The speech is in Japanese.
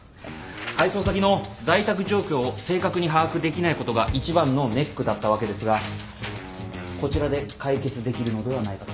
配送先の在宅状況を正確に把握できないことが一番のネックだったわけですがこちらで解決できるのではないかと。